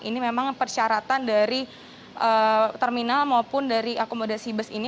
ini memang persyaratan dari terminal maupun dari akomodasi bus ini